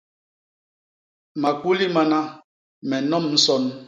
Makuli mana, me nnom nson!